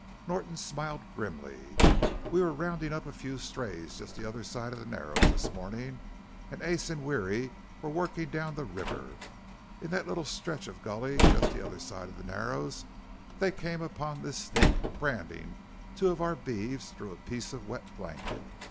Norton smiled grimly. "We were roundin' up a few strays just the other side of the Narrows this morning, and Ace and Weary were workin' down the river. In that little stretch of gully just the other side of the Narrows they came upon this sneak brandin' two of our beeves through a piece of wet blanket.